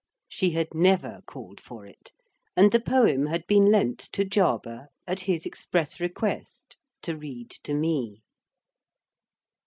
She had never called for it; and the poem had been lent to Jarber, at his express request, to read to me.